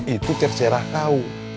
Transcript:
itu cercerah kau